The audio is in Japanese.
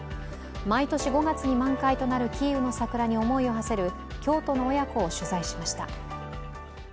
毎年５月に満開となるキーウの桜に思いをはせる京都の親子を取材しました。